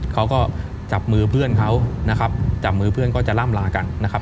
เขาก็จับมือเพื่อนเขานะครับจับมือเพื่อนก็จะล่ำลากันนะครับ